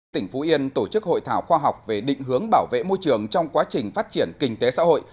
tỉnh phú yên tổ chức hội thảo khoa học về định hướng bảo vệ môi trường trong quá trình phát triển kinh tế xã hội